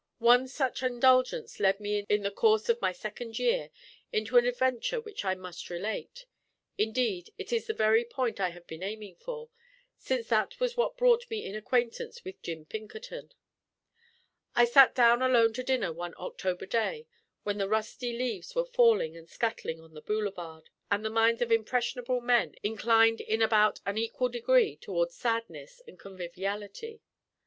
One such indulgence led me in the course of my second year into an adventure which I must relate: indeed, it is the very point I have been aiming for, since that was what brought me in acquaintance with Jim Pinkerton. I sat down alone to dinner one October day when the rusty leaves were falling and scuttling on the boulevard, and the minds of impressionable men inclined in about an equal degree towards sadness and conviviality.